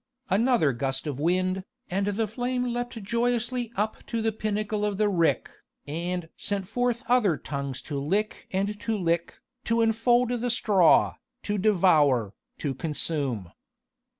Another gust of wind, and the flame leapt joyously up to the pinnacle of the rick, and sent forth other tongues to lick and to lick, to enfold the straw, to devour, to consume.